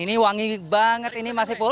ini wangi banget ini mas ipul